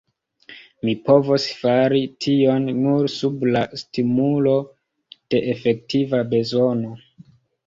Mi povos fari tion nur sub la stimulo de efektiva bezono.